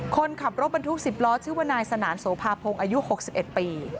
คนขับรถบรรทุก๑๐ล้อชื่อว่านายสนานโสภาพงอายุ๖๑ปี